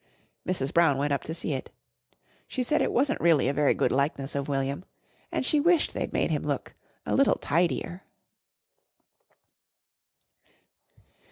Mrs. Brown went up to see it. She said it wasn't really a very good likeness of William and she wished they'd made him look a little tidier.